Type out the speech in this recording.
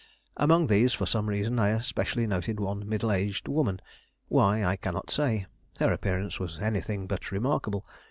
Among these, for some reason, I especially noted one middle aged woman; why, I cannot say; her appearance was anything but remarkable.